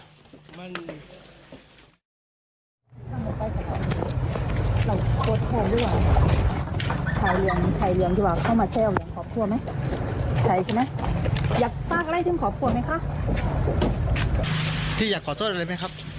ยังไงถึงได้ยินแบบเนี้ยครับ